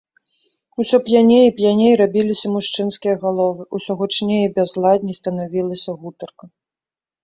Усё п'яней і п'яней рабіліся мужчынскія галовы, усё гучней і бязладней станавілася гутарка.